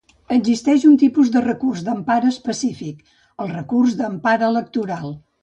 Existeix un tipus de recurs d'empara específic, el recurs d'empara electoral.